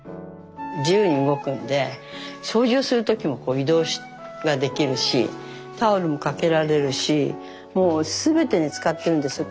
自由に動くんで掃除をする時も移動ができるしタオルも掛けられるしもうすべてに使ってるんですよ。